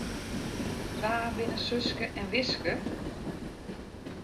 Wa binne Suske en Wiske?